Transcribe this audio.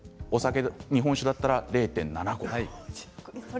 日本酒だったら０．７合。